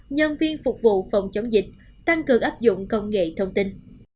nhân viên phục vụ phòng chống dịch tăng cường áp dụng công nghệ thông tin